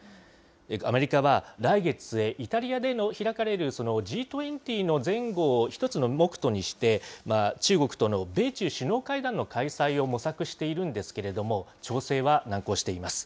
アメリカは来月末、イタリアで開かれるＧ２０の前後を一つの目途にして、中国との米中首脳会談の開催を模索しているんですけれども、調整は難航しています。